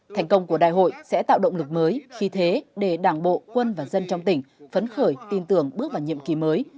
thành công của đại hội sẽ tạo động lực mới khi thế để đảng bộ quân và dân trong tỉnh phấn khởi tin tưởng bước vào nhiệm kỳ mới